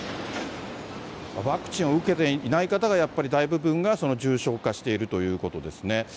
ワクチンを受けていない方がやっぱり大部分が重症化しているということですね。